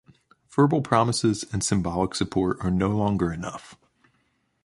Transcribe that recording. Verbal promises and symbolic support are no longer enough.